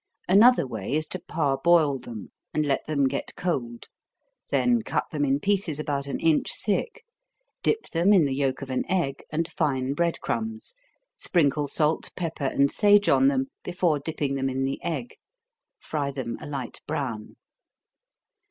Another way is to parboil them, and let them get cold, then cut them in pieces about an inch thick, dip them in the yelk of an egg, and fine bread crumbs, sprinkle salt, pepper, and sage on them, before dipping them in the egg, fry them a light brown.